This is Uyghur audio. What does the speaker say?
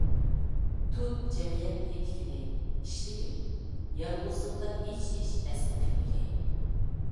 تۇت جەمئىيەت ئېتىكىنى، ئىشلىگىن، يالغۇزلۇقتا ھېچ ئىش ئەسلا پۈتمىگەي.